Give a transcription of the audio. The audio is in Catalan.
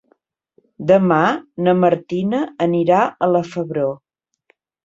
Demà na Martina anirà a la Febró.